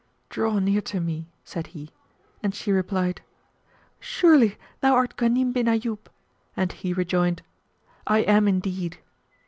"Draw near to me;" said he, and she replied, "Surely thou art Ghanim bin Ayyub?"; and he rejoined "I am indeed!"